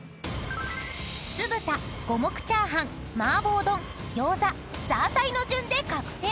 ［酢豚五目チャーハン麻婆丼餃子ザーサイの順で確定］